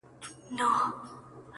جادوګر دانې را وایستې دباندي!.